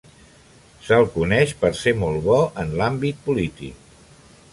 Se'l coneix per ser molt bo en l'àmbit polític.